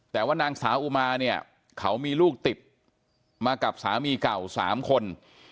แต่ว่านางสาวอุมาเนี่ยเขามีลูกติดมากับสามีเก่า๓คน